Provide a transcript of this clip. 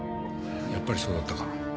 やっぱりそうだったか。